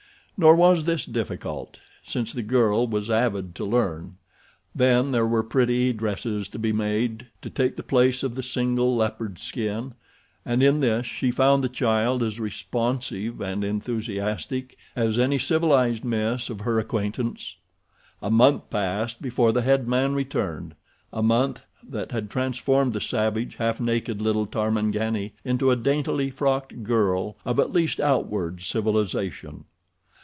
Nor was this difficult, since the girl was avid to learn. Then there were pretty dresses to be made to take the place of the single leopard skin and in this she found the child as responsive and enthusiastic as any civilized miss of her acquaintance. A month passed before the head man returned—a month that had transformed the savage, half naked little tarmangani into a daintily frocked girl of at least outward civilization.